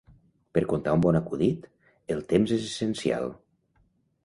Per contar un bon acudit, el temps és essencial.